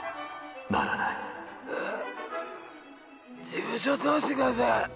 事務所通してください。